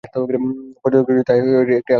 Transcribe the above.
পর্যটকদের জন্য তাই এটি একটি আকর্ষণীয় স্থান।